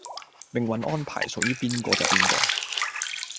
命運安排屬於邊個就邊個